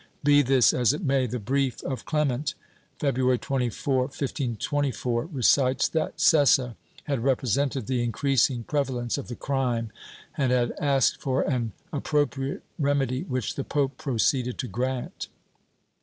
^ Be this as it may, the brief of Clement, February 24, 1524, recites that Sessa had represented the increasing prevalence of the crime and had asked for an appro priate remedy, which the pope proceeded to grant.